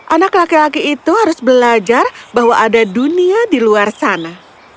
anak laki laki itu harus belajar bahwa ada dunia di luar sana